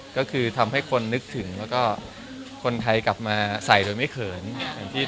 อย่างนั้นยังไม่ก็พูดในรายการในหน้าประโยชน์ไทย